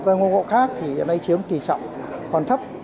bộ khác thì nay chiếm kỳ trọng còn thấp